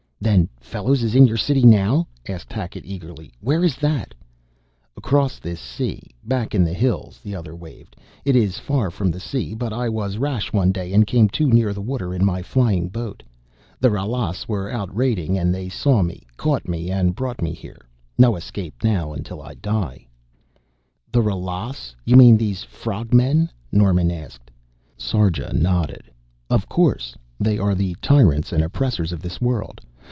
"Then Fellows is in your city now?" asked Hackett eagerly. "Where is that?" "Across this sea back in the hills," the other waved. "It is far from the sea but I was rash one day and came too near the water in my flying boat. The Ralas were out raiding and they saw me, caught me, and brought me here. No escape now, until I die." "The Ralas you mean these frog men?" Norman asked. Sarja nodded. "Of course. They are the tyrants and oppressors of this world.